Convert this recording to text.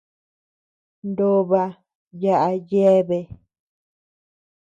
Nooba yaʼa yeabea.